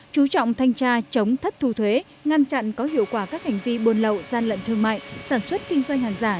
chú trọng thanh tra chống thất thu thuế ngăn chặn có hiệu quả các hành vi buôn lậu gian lận thương mại sản xuất kinh doanh hàng giả